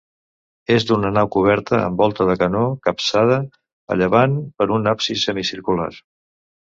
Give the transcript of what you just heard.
És d'una nau coberta amb volta de canó, capçada a llevant per un absis semicircular.